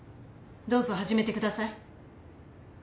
どうぞ始めてください。